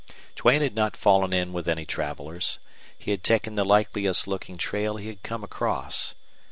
Duane had not fallen in with any travelers. He had taken the likeliest looking trail he had come across.